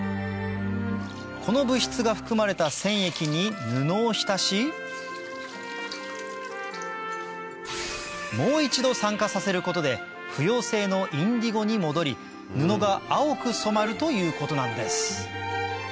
この物質が含まれた染液に布を浸しもう一度酸化させることで不溶性のインディゴに戻り布が青く染まるということなんです